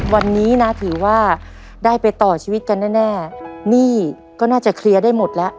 วันนี้นะถือว่าได้ไปต่อชีวิตกันแน่หนี้ก็น่าจะเคลียร์ได้หมดแล้ว